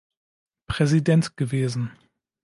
Präsident gewesen.